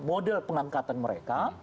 model pengangkatan mereka